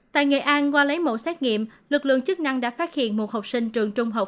tại nghệ an qua lấy mẫu xét nghiệm lực lượng chức năng đã phát hiện một học sinh trường trung học